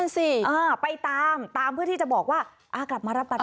นั่นสิไปตามตามเพื่อที่จะบอกว่ากลับมารับบัตร